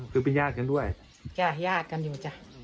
คือเป็นญาติกันด้วยจ้ะญาติกันอยู่จ้ะ